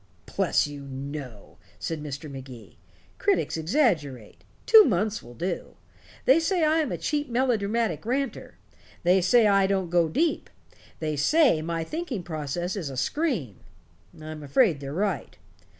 "Bless you, no," said Mr. Magee. "Critics exaggerate. Two months will do. They say I am a cheap melodramatic ranter. They say I don't go deep. They say my thinking process is a scream. I'm afraid they're right.